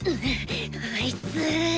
あいつ！